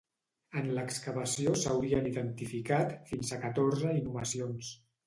En l'excavació s'haurien identificat fins a catorze inhumacions.